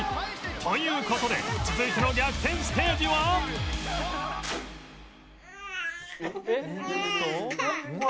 という事で続いての逆転ステージはうわ！